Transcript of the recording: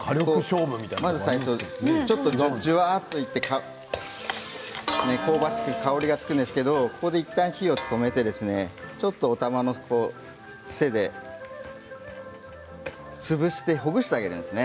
まず最初にちょっと、じゅわっといって香ばしく香りがつくんですがここで、いったん火を止めておたまの背で潰してほぐしてあげるんですね。